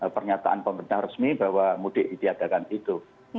pernyataan pemerintah resmi bahwa mudik ditiadakan itu